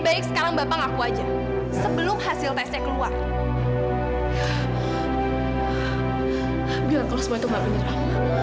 biar kalau semua itu mbak penyelam